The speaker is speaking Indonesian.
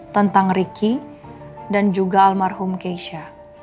tentang ricky dan juga almarhum keisha